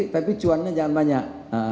tapi cuannya jangan banyak